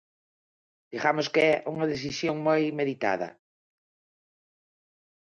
Digamos que é unha decisión moi meditada.